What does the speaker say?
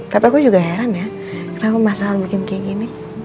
tapi aku juga heran ya kenapa masalah bikin kayak gini